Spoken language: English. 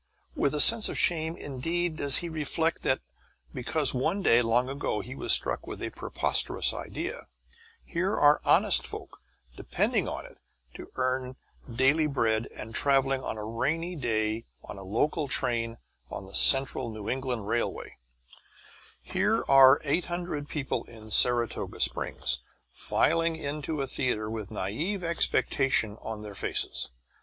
With a sense of shame indeed does he reflect that because one day long ago he was struck with a preposterous idea, here are honest folk depending on it to earn daily bread and travelling on a rainy day on a local train on the Central New England Railway; here are 800 people in Saratoga Springs filing into a theatre with naïve expectation on their faces.